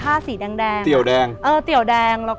อ่านมสงสังที่นั้น